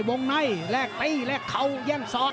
วงในแลกตีแลกเขาแย่งศอก